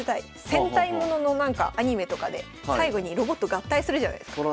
戦隊もののなんかアニメとかで最後にロボット合体するじゃないですか。